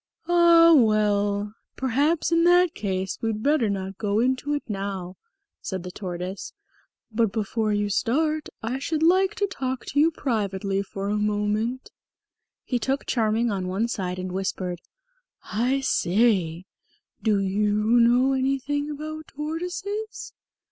"Ah, well, perhaps in that case we'd better not go into it now," said the Tortoise. "But before you start I should like to talk to you privately for a moment." He took Charming on one side and whispered, "I say, do you know anything about tortoises?"